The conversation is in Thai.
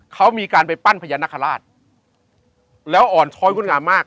เขามีการไปปั้นพญานาคาราชแล้วอ่อนช้อยงดงามมาก